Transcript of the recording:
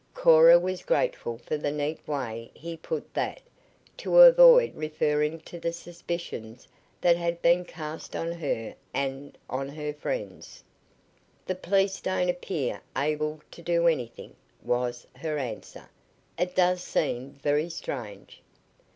Cora was grateful for the neat way he put that, to avoid referring to the suspicions that had been cast on her and on her friends. "The police don't appear able to do anything," was her answer. "It does seem very strange."